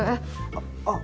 あっあっ